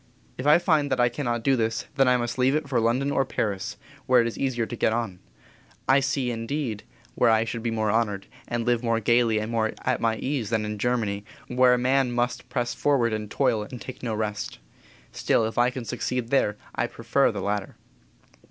"If I find that I cannot do this, then I must leave it for London or Paris, where it is easier to get on. I see indeed where I should be more honored, and live more gaily and more at my ease than in Germany, where a man must press forward, and toil, and take no rest, still, if I can succeed there, I prefer the latter."